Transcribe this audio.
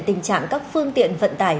tình trạng các phương tiện vận tải